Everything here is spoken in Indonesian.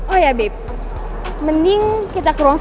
oh ya babe mending kita kurang sengaja